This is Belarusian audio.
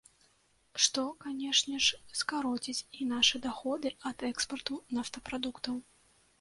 Што, канешне ж, скароціць і нашы даходы ад экспарту нафтапрадуктаў.